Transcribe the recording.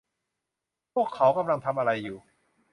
พวกเขากำลังทำอะไรอยู่